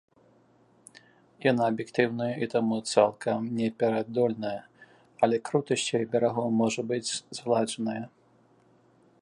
Яна аб'ектыўная і таму цалкам непераадольная, але крутасць яе берагоў можа быць згладжаная.